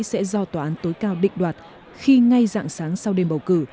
sẽ do tòa án tối cao định đoạt khi ngay dạng sáng sau đêm bầu cử